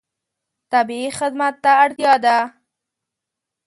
طبیعي خدمت ته اړتیا ده.